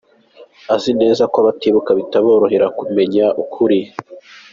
Azi neza ko abatibuka bitaborohera kumenya ukuri.